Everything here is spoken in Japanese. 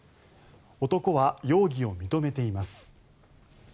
男は容疑を認めています。